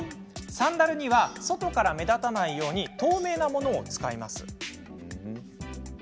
サンダルには外から目立たないよう透明なものを使います。